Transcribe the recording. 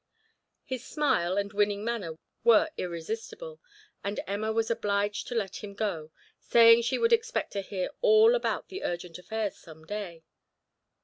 His smile and winning manner were irresistible, and Emma was obliged to let him go, saying she would expect to hear all about the urgent affairs some day.